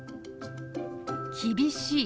「厳しい」。